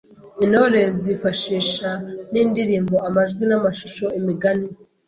intore zifashisha ni indirimbo, amajwi n’amashusho, imigani